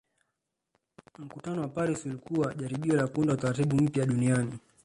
Mkutano wa Paris ulikuwa jaribio la kuunda Utaratibu mpya duniani